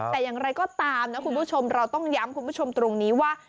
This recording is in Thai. แต่อย่างไรก็ตามนะคุณผู้ชมเราต้องย้ำคุณผู้ชมตรงนี้ว่า